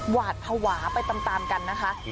หวาดภาวะไปตามกันนะคะ